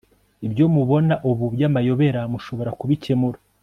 Ibyo mubona ubu byamayobera mushobora kubikemura